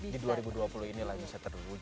di dua ribu dua puluh inilah bisa terwujud